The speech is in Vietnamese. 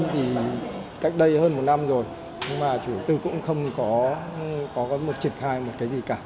chủ đầu tư thì cách đây hơn một năm rồi nhưng mà chủ tư cũng không có triệt khai một cái gì cả